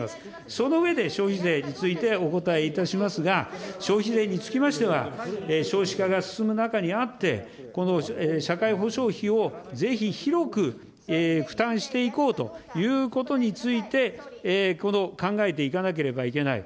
その上で消費税についてお答えいたしますが、消費税につきましては、少子化が進む中にあって、この社会保障費をぜひ広く負担していこうということについて、考えていかなければいけない。